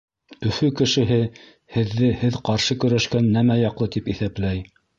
Өфө кешеһе һеҙҙе һеҙ ҡаршы көрәшкән нәмә яҡлы тип иҫәпләй.